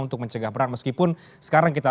untuk mencegah berat meskipun sekarang kita